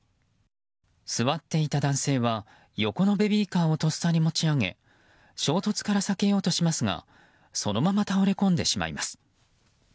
座っていた男性は横のベビーカーをとっさに持ち上げ衝突から避けようとしますがそのまま倒れ込んでしまいます。